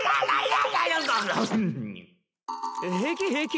平気平気。